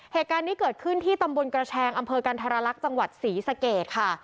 เหตุการณ์นี้เกิดขึ้นที่ตำบลกระแชงอำเภอกันธรรลักษณ์จังหวัดศรีสะเกดค่ะ